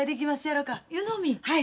はい。